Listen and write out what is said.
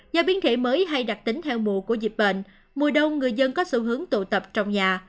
do biến thể mới hay đặc tính theo mùa của dịch bệnh mùa đông người dân có xu hướng tụ tập trong nhà